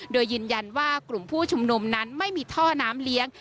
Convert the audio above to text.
โดยยืนยันว่ากลุ่มผู้ชุมนุมนั้นไม่มีท่อน้ำเลี้ยง